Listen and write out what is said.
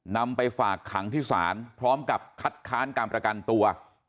นำไปฝากขังที่ศาลพร้อมกับคัดค้านการประกันตัว